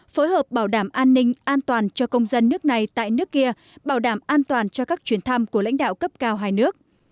phối hợp bảo đảm an ninh an toàn cho công dân nước này tại nước kia bảo đảm an toàn cho các chuyến thăm của lãnh đạo cấp cao hai nước